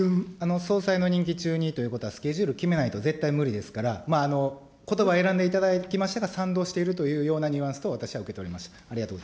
総裁の任期中にということは、スケジュール決めないと絶対無理ですから、ことば選んでいただきましたが、賛同しているというようなニュアンスと私は受け取りました。